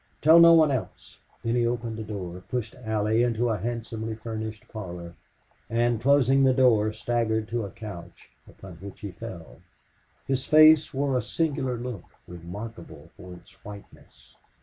"Tell no one else!" Then he opened a door, pushed Allie into a handsomely furnished parlor, and, closing the door, staggered to a couch, upon which he fell. His face wore a singular look, remarkable for its whiteness.